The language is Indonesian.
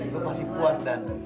lo pasti puas dan